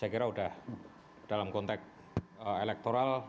saya kira sudah dalam konteks elektoral